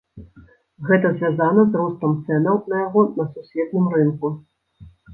Гэта звязана з ростам цэнаў на яго на сусветным рынку.